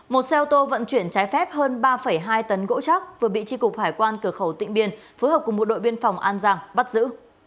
một xe ô tô vận chuyển trái phép hơn ba hai tấn gỗ chắc vừa bị tri cục hải quan cửa khẩu tỉnh biên phối hợp cùng một đội biên phòng an giang bắt giữ